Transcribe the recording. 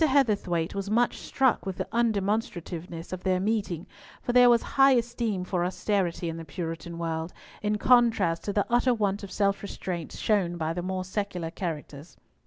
Heatherthwayte was much struck with the undemonstrativeness of their meeting, for there was high esteem for austerity in the Puritan world, in contrast to the utter want of self restraint shown by the more secular characters.